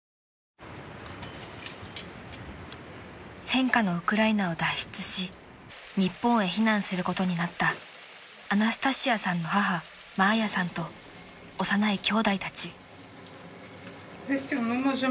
［戦火のウクライナを脱出し日本へ避難することになったアナスタシアさんの母マーヤさんと幼いきょうだいたち］